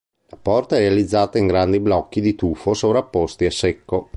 La porta è realizzata in grandi blocchi di tufo sovrapposti a secco.